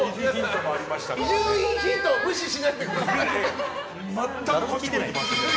伊集院ヒントは無視しないでください。